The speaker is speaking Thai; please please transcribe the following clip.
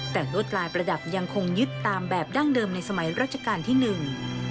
แต่รวดลายประดับยังคงยึดตามแบบดั้งเดิมในสมัยรัชกาลที่หนึ่ง